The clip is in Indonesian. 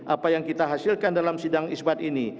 apa yang kita hasilkan dalam sidang isbat ini